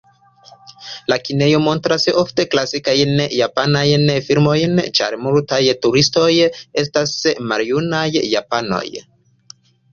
La kinejoj montras ofte klasikajn japanajn filmojn, ĉar multaj turistoj estas maljunaj japanoj.